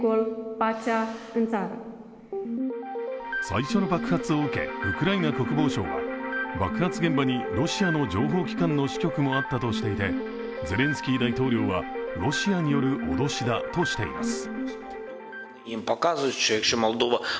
最初の爆発を受け、ウクライナ国防省は爆発現場にロシアの情報機関の支局もあったとしていてゼレンスキー大統領はロシアによる脅しだとしています。